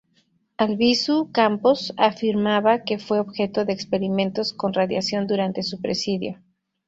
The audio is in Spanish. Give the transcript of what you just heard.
Albizu Campos afirmaba que fue objeto de experimentos con radiación durante su presidio.